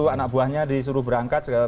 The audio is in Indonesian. anak buahnya disuruh berangkat